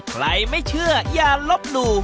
ใครไม่เชื่ออย่าลบหนู